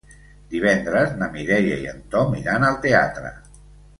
Divendres na Mireia i en Tom iran al teatre.